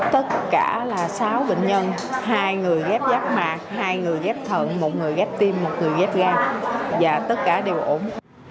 tất cả là sáu bệnh nhân hai người ghép rác mạc hai người ghép thận một người ghép tim một người ghép ga và tất cả đều ổn